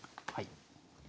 はい。